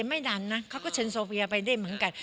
ไม่นานนะเขาก็เชิญโซเฟียไปได้เหมือนกัน